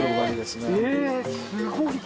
すごい！